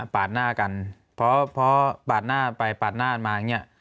เพราะปาดหน้าไปปาดหน้ามาอย่างนี้